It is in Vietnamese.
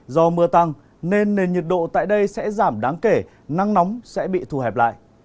do mưa tăng nên nền nhiệt độ tại đây sẽ giảm đáng kể nắng nóng sẽ bị thu hẹp lại